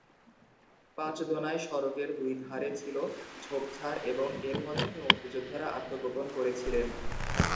পাঁচদোনায় সড়কের দুই ধারে ছিল ঝোপঝাড় এবং এর মধ্যে মুক্তিযোদ্ধারা আত্মগোপন করেছিলেন।